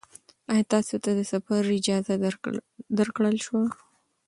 ایا تاسې ته د سفر اجازه درکړل شوه؟